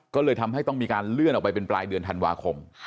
ก็เลยทำให้ต้องมีการเลื่อนออกไปเป็นปลายเดือนธันวาคม